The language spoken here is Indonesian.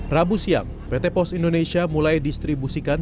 rabu siang pt pos indonesia mulai distribusikan